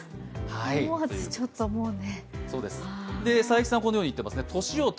思わず、ちょっともうね。